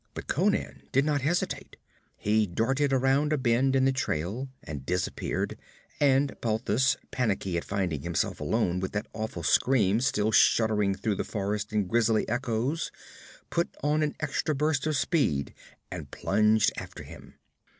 But Conan did not hesitate; he darted around a bend in the trail and disappeared, and Balthus, panicky at finding himself alone with that awful scream still shuddering through the forest in grisly echoes, put on an extra burst of speed and plunged after him.